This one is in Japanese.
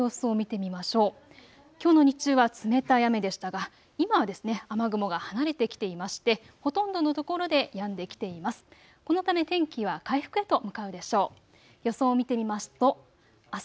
きょうの日中は冷たい雨でしたが今は雨雲が離れてきていましてほとんどの所でやんできています。